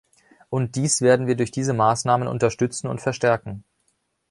Und dies werden wir durch diese Maßnahmen unterstützen und verstärken.